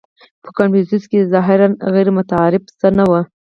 • په کنفوسیوس کې ظاهراً غیرمتعارف څه نهو.